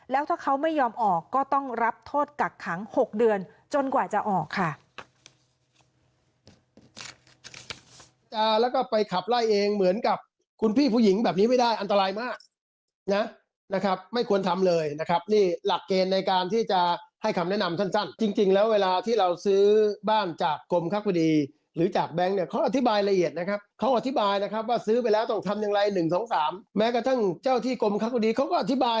แล้วถ้าเขาไม่ยอมออกก็ต้องรับโทษกักขัง๖เดือนจนกว่าจะออกค่ะ